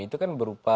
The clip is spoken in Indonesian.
itu kan berupa